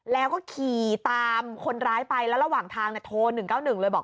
แล้วก็ขี่ตามคนร้ายไปแล้วระหว่างทางโทร๑๙๑เลยบอก